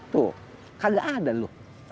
tuh kagak ada lo